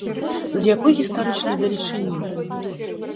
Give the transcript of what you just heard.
З якой гістарычнай далечыні?